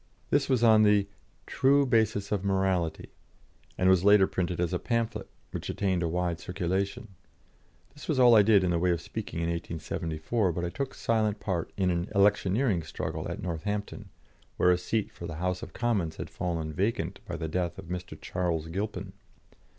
This was on the "True Basis of Morality," and was later printed as a pamphlet, which attained a wide circulation. This was all I did in the way of speaking in 1874, but I took silent part in an electioneering struggle at Northampton, where a seat for the House of Commons had fallen vacant by the death of Mr. Charles Gilpin.